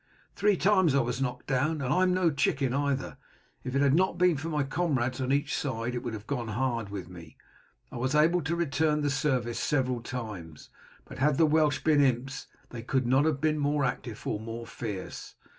Three times was I knocked down, and I am no chicken either; if it had not been for my comrades on each side it would have gone hard with me. I was able to return the service several times, but had the Welsh been imps they could not have been more active or more fierce.